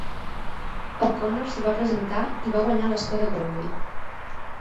O'Connor s'hi va presentar i va guanyar l'escó de Galway.